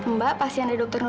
mbak pasien dari dokter